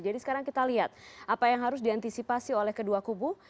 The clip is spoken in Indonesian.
jadi sekarang kita lihat apa yang harus diantisipasi oleh kedua kubu